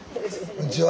こんにちは。